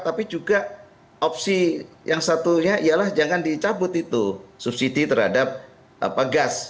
tapi juga opsi yang satunya ialah jangan dicabut itu subsidi terhadap gas